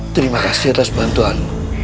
terima kasih atas bantuan